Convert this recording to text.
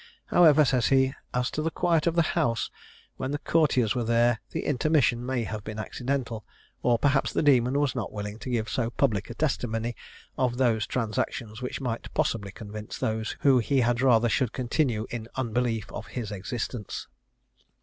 "However," says he, "as to the quiet of the house when the courtiers were there, the intermission may have been accidental, or perhaps the demon was not willing to give so public a testimony of those transactions which might possibly convince those who he had rather should continue in unbelief of his existence."